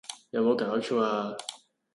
有冇搞錯呀